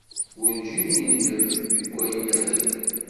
Werǧin yendem deg wayen yexdem.